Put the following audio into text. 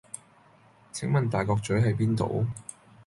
請問大角嘴…喺邊度？